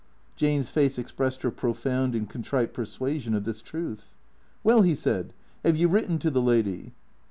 Jane's face expressed her profound and contrite persuasion of this truth. " Well," he said, " have you written to the lady